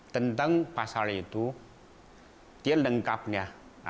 tentang pasal itu dia lengkapnya